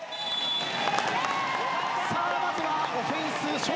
さあまずはオフェンス笑